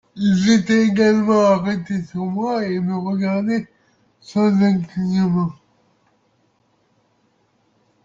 Ils étaient également arrêtés sur moi, et me regardaient sans un clignement.